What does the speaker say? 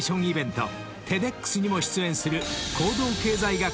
ＴＥＤｘにも出演する］